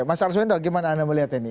mas arzuendo gimana anda melihatnya